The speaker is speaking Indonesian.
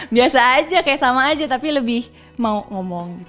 biasa aja kayak sama aja tapi lebih mau ngomong gitu